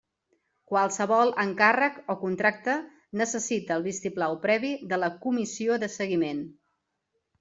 Qualsevol encàrrec o contracte necessita el vistiplau previ de la Comissió de Seguiment.